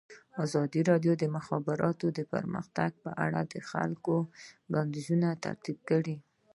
ازادي راډیو د د مخابراتو پرمختګ په اړه د خلکو وړاندیزونه ترتیب کړي.